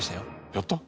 やった？